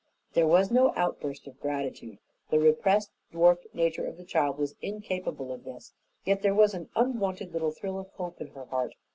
There was no outburst of gratitude. The repressed, dwarfed nature of the child was incapable of this, yet there was an unwonted little thrill of hope in her heart.